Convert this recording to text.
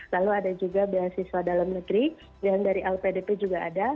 lalu ada juga beasiswa dalam negeri dan dari lpdp juga ada